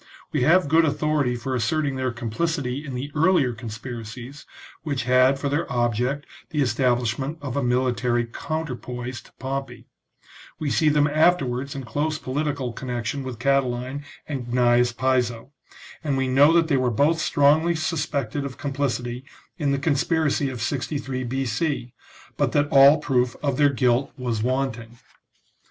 We have good authority for asserting their complicity in the earlier conspiracies, which had for their object the establishment of a military counterpoise to Pompey ; we see them after wards in close political connection with Catiline and Gnaeus Piso ; and we know that they were both strongly suspected of complicity in the conspiracy of 63 B.C., but that all proof of their guilt was wanting.